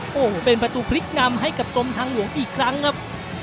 โอ้โหเป็นประตูพลิกนำให้กับกรมทางหลวงอีกครั้งครับ